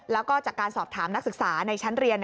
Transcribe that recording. แล้วก็จากการสอบถามนักศึกษาในชั้นเรียน